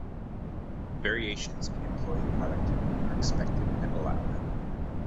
Variations in employee productivity are expected and allowed.